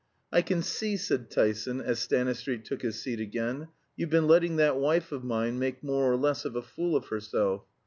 "I can see," said Tyson, as Stanistreet took his seat again, "you've been letting that wife of mine make more or less of a fool of herself.